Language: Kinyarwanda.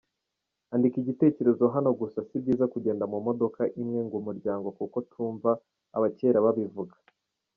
Andika Igitekerezo Hanogusa sibyiza kugenda mumodoka imwe ngumuryango kuko tumva abakera babivuga.